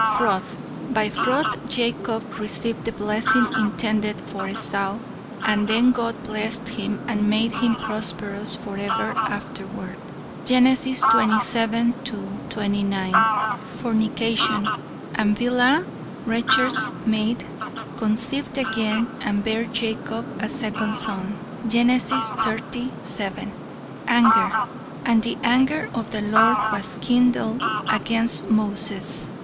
"Fraud. 'By fraud, Jacob received the blessing intended for Esau and then God blessed him and made him prosperous forever afterward. Gen. xxvii to xxix. "Fornication. 'And Bilhah, Rachel's maid, conceived again and bare Jacob a second son.' Gen. xxx, 7. "Anger. 'And the anger of the Lord was kindled against Moses.'